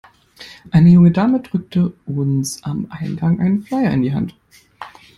Eine junge Dame drückte uns am Eingang einen Flyer in die Hand.